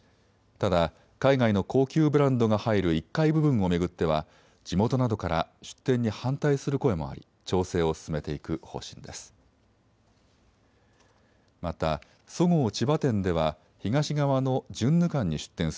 ただ海外の高級ブランドが入る１階部分を巡っては地元などから出店に反対する声もあり調整を進めていく方針です。